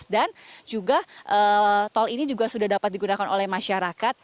dan juga tol ini juga sudah dapat digunakan oleh masyarakat